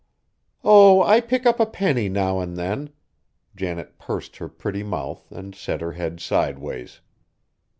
"Oh! I pick up a penny now and then;" Janet pursed her pretty mouth and set her head sideways.